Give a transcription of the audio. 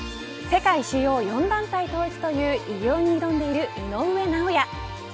世界主要４団体統一という偉業に挑んでいる井上尚弥。